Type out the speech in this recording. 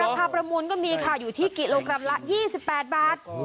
ประมูลก็มีค่ะอยู่ที่กิโลกรัมละ๒๘บาท